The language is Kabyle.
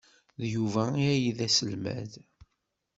D Yuba ay d aselmad.